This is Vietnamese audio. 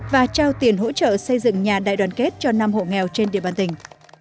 và trao tiền hỗ trợ xây dựng nhà đại đoàn kết cho năm hộ nghèo trên địa bàn tỉnh